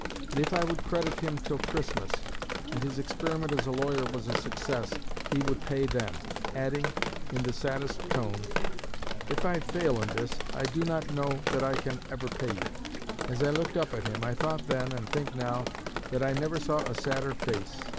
But if I would credit him till Christmas and his experiment as a lawyer was a success, he would pay then; adding, in the saddest tone, 'If I fail in this, I do not know that I can ever pay you.' As I looked up at him I thought then, and think now, that I never saw a sadder face.